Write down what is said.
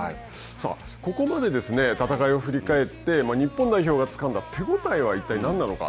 ここまで戦いを振り返って日本代表がつかんだ手応えは一体何なのか。